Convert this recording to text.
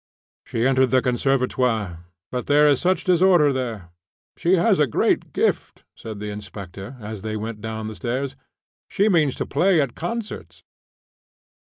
"She entered the Conservatoire, but there is such disorder there. She has a great gift," said the inspector, as they went down the stairs. "She means to play at concerts."